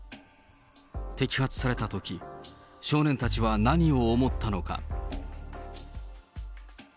摘発されたとき、少年たちは何を思ったのか。